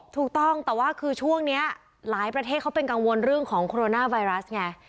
ถูกต้องแต่ว่าคือช่วงนี้หลายประเทศเขาเป็นกังวลเรื่องของโคโรนาไวรัสไง